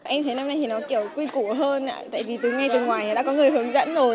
em thấy năm nay thì nó kiểu quy củ hơn tại vì từ ngay từ ngoài đã có người hướng dẫn rồi